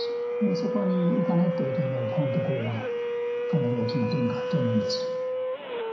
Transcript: そこに行かないということになると、本当、これはかなり大きな転換と思うんですけど。